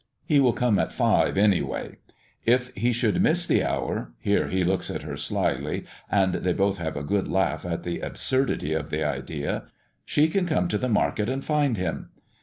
He will come at five, anyway; if he should miss the hour here he looks at her slyly and they both have a good laugh at the absurdity of the idea she can come to the market and find him.